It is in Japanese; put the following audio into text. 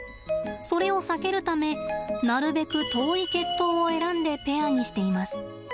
それを避けるためなるべく遠い血統を選んでペアにしています。